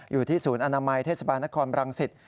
อยู่ที่ศูนย์อนามัยเทศบาลนครบรังสิต